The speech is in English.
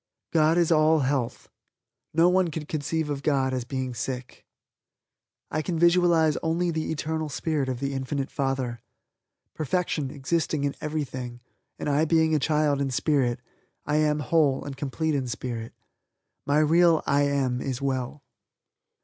God is all health. No one could conceive of God as being sick. I can visualize only the eternal spirit of the Infinite Father. Perfection existing in everything and I being a child in Spirit, am well, whole and complete in Spirit. My real "I am" is well.